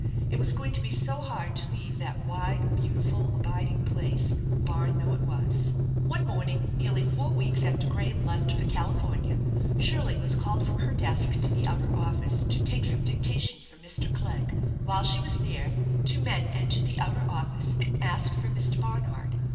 It was going to be so hard to leave that wide, beau tiful abiding place, barn though it was. 180 THE ENCHANTED BARN One morning nearly four weeks after Graham lef< for California Shirley was called from her desk to the outer office to take some dictation for Mr. Clegg. While she was there two men entered the outer office and asked for Mr. Barnard.